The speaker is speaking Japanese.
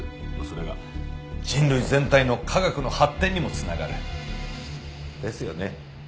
それが人類全体の科学の発展にも繋がる。ですよね？